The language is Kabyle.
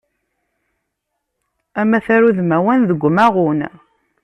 Amatar udmawan deg umaɣun.